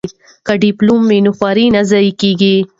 که ډیپلوم وي نو خواري نه ضایع کیږي.